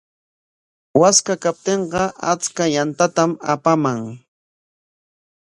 Waskaa kaptinqa achka yantatam apaaman.